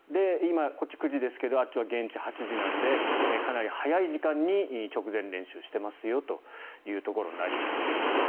今、こっち９時ですけどあっちは現地８時なのでかなり早い時間に直前練習をしていますよということになります。